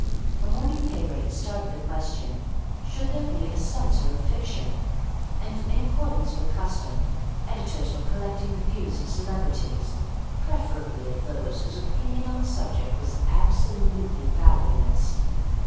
A morning paper had started the question, "Should there be a Censor of Fiction?" and, in accordance with custom, editors were collecting the views of celebrities, preferably of those whose opinion on the subject was absolutely valueless.